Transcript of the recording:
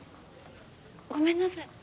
ごめんなさい。